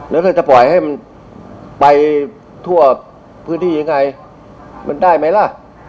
แล้วถ้าจะปล่อยให้มันไปทั่วพื้นที่ยังไงมันได้ไหมล่ะ